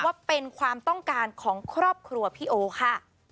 ว่าเป็นความต้องการของครอบครัวพี่โอค่ะ